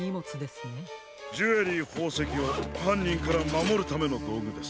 ジュエリーほうせきをはんにんからまもるためのどうぐです。